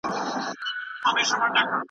څېړونکي د تاریخ پاڼي را اړوي.